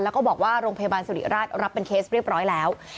แล้วก็บอกว่าโรงพยาบาลสุริราชรับเป็นเคสเรียบร้อยแล้ว